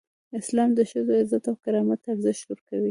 اسلام د ښځو عزت او کرامت ته ارزښت ورکوي.